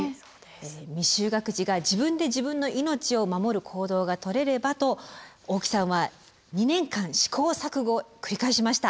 未就学児が自分で自分の命を守る行動がとれればと大木さんは２年間試行錯誤を繰り返しました。